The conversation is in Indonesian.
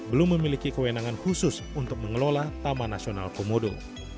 belum memiliki kewenangan khusus untuk mengelola taman nasional komodo